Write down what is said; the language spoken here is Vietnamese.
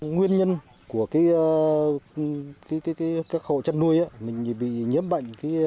nguyên nhân của cái hộ chất nuôi mình bị nhiễm bệnh cúm h năm n một là nguyên nhân thứ nhất